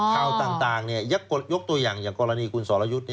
ข่าวต่างยกตัวอย่างอย่างกรณีคุณสรยุทธ์